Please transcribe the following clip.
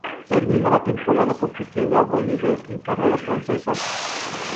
Termina la temporada compitiendo a buen nivel en carreras francesas.